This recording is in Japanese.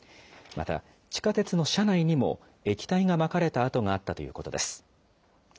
また地下鉄の車内にも、液体がまかれた跡があったということです。